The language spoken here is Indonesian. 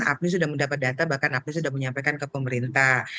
apni sudah mendapat data bahkan aplis sudah menyampaikan ke pemerintah